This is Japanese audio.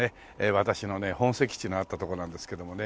私のね本籍地のあったとこなんですけどもね。